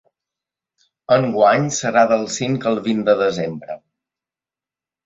Enguany, serà del cinc al vint de desembre.